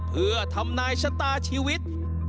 เพื่อทำนายชะตาชีวิต